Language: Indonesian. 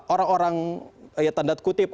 orang orang ya tanda kutip